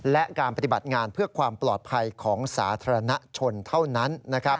และการปฏิบัติงานเพื่อความปลอดภัยของสาธารณชนเท่านั้น